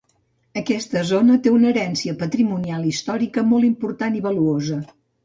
Aquesta zona té una herència patrimonial històrica molt important i valuosa.